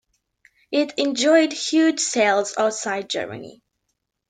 It enjoyed huge sales outside Germany.